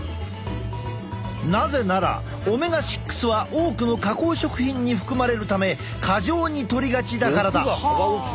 なぜならオメガ６は多くの加工食品に含まれるため過剰にとりがちだからだ。